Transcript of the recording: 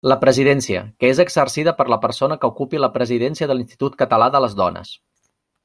La presidència, que és exercida per la persona que ocupi la Presidència de l'Institut Català de les Dones.